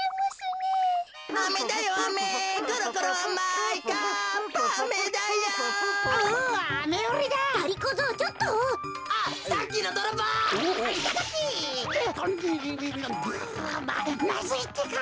ままずいってか。